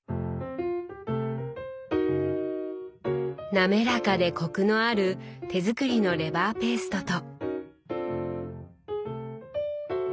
滑らかでコクのある手作りのレバーペーストと。